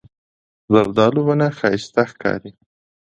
زردالو ونه ښایسته ښکاري.